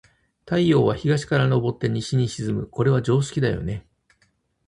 太陽は、東から昇って西に沈む。これは常識だよね。